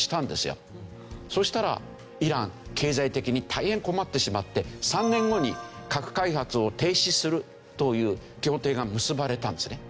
そしたらイラン経済的に大変困ってしまって３年後に核開発を停止するという協定が結ばれたんですね。